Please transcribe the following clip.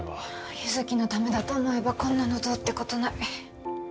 優月のためだと思えばこんなのどうってことない